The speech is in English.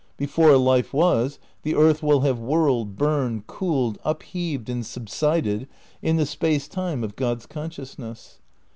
Before life was, the earth will have whirled, burned, cooled, upheaved and subsided in the Space Time of God's consciousness.